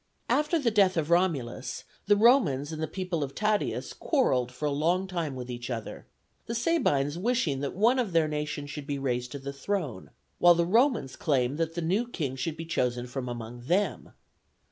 After the death of Romulus, the Romans and the people of Tatius quarrelled for a long time with each other, the Sabines wishing that one of their nation should be raised to the throne, while the Romans claimed that the new king should be chosen from among them.